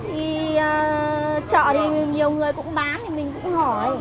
thì chợ thì nhiều người cũng bán thì mình cũng hỏi